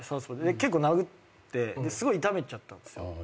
結構殴ってすごい痛めちゃったんですよ。